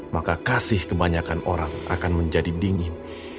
maka kasih kebanyakan orang akan menjadi dingin